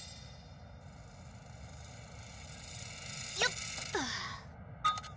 よっと。